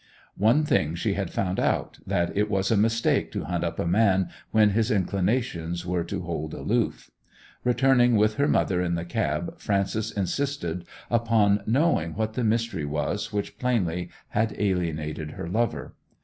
One thing she had found out, that it was a mistake to hunt up a man when his inclinations were to hold aloof. Returning with her mother in the cab Frances insisted upon knowing what the mystery was which plainly had alienated her lover.